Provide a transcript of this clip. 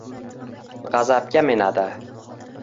Gʻazabga minadi